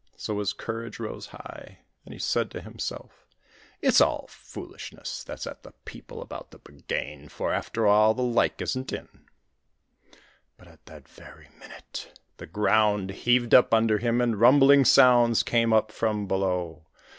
So his courage rose high, and he said to himself: 'It's all foolishness that's at the people about the Buggane, for, after all, the like isn't in.' But at that very minute the ground heaved under him and rumbling sounds came up from below.